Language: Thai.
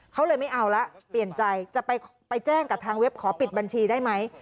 เขาเลยไม่เอาละเปลี่ยนใจจะไปแจ้งกับทางเว็บขอปิดบัญชีได้ไหม